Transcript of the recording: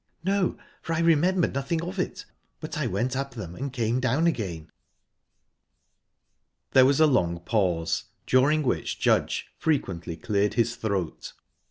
"No; for I remember nothing of it. But I went up them and came down again." There was a long pause, during which Judge frequently cleared his throat.